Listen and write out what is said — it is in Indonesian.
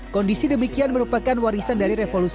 kondisi demikian merupakan warisan dari revolusi